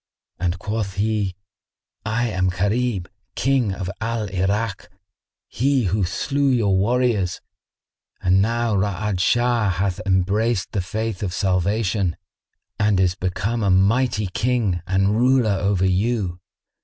and quoth he, "I am Gharib, King of Al Irak, he who slew your warriors; and now Ra'ad Shah hath embraced the Faith of Salvation and is become a mighty King and ruler over you.